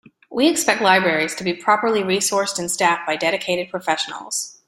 We expect libraries to be properly resourced and staffed by dedicated professionals.